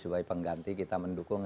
sebagai pengganti kita mendukung